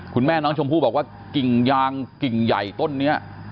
คุณแม่น้องชมพู่บอกว่ากิ่งยางกิ่งใหญ่ต้นนี้